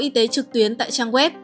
y tế trực tuyến tại trang web